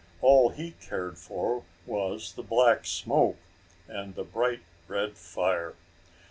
All he cared for was the black smoke, and the bright, red fire.